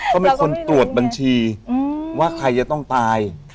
ก็มีคนตรวจบัญชีว่าใครจะต้องตาย